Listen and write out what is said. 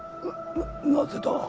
ななぜだ？